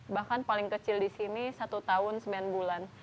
bahkan paling kecil di sini satu tahun sembilan bulan